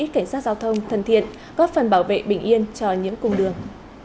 cảnh sát giao thông thân thiện góp phần bảo vệ bình yên cho những cung đường